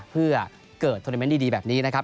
เพื่อเกิดโทรนิเมนต์ดีแบบนี้นะครับ